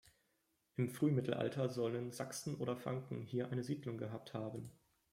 Im Frühmittelalter sollen Sachsen oder Franken hier eine Siedlung gehabt haben.